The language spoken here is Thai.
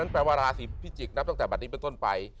แปลว่าราศีพิจิกนับตั้งแต่บัตรนี้เป็นต้นไป